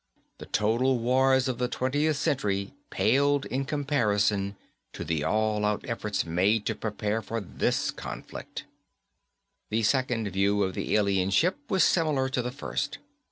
The total wars of the Twentieth Century paled in comparison to the all out efforts made to prepare for this conflict. The second view of the alien ship was similar to the first.